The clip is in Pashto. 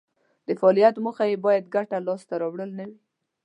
د فعالیت موخه یې باید ګټه لاس ته راوړل نه وي.